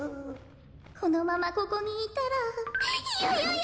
このままここにいたらヨヨヨ。